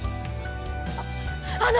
あっあの！